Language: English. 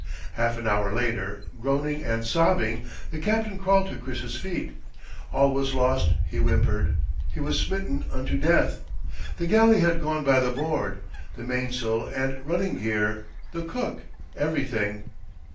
Half an hour later, groaning and sobbing, the captain crawled to Chris's feet. All was lost, he whimpered. He was smitten unto death. The galley had gone by the board, the mainsail and running gear, the cook, every thing!